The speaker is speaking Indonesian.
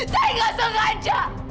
saya nggak sengaja